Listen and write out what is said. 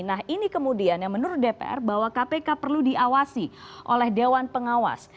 nah ini kemudian yang menurut dpr bahwa kpk perlu diawasi oleh dewan pengawas